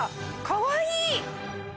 かわいい！